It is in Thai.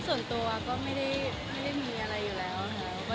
ค่ะส่วนตัวก็ไม่ได้มีอะไรอยู่แล้วนะครับ